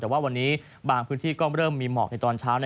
แต่ว่าวันนี้บางพื้นที่มีเหมาะในตอนเช้า